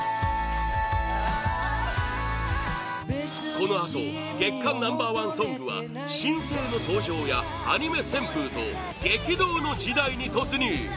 このあと月間ナンバー１ソングは新星の登場やアニメ旋風と激動の時代に突入！